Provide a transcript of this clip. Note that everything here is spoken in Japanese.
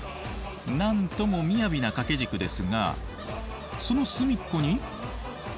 何ともみやびな掛け軸ですがその隅っこにえっ！